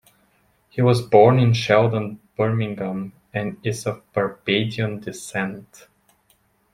He was born in Sheldon, Birmingham, and is of Barbadian descent.